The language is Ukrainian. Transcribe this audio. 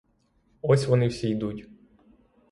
Ось вони всі йдуть.